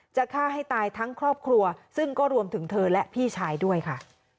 จะฆ่าให้ตายทั้งครอบครัวซึ่งก็รวมถึงเธอและพี่ชายด้วยค่ะ